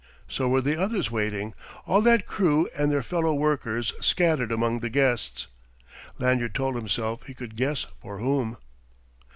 So were the others waiting, all that crew and their fellow workers scattered among the guests. Lanyard told himself he could guess for whom.